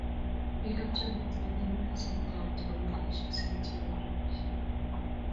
Biik ab chamait kokinamkei so kotaret koun karisiek si kechangan rabisiek